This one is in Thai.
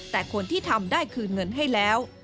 แต่คนที่ทำได้คืนเงินให้แล้ว